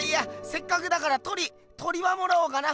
せっかくだから鳥鳥はもらおうかな。